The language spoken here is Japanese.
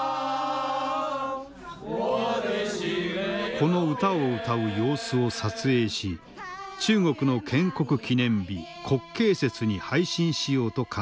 この歌を歌う様子を撮影し中国の建国記念日国慶節に配信しようと考えていた。